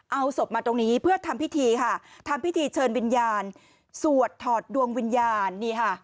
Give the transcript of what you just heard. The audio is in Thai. เอาศพมาตรงนี้เพื่อทำพิธีค่ะทำพิธีเชิญวิญญาณสวดถอดดวงวิญญาณนี่ค่ะ